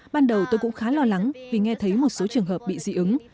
ban đầu tôi cũng khá lo lắng vì nghe thấy một số trường hợp bị dị ứng